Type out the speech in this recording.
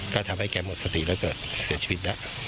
ก็ทำให้แกหมดสติแล้วก็เสียชีวิตแล้ว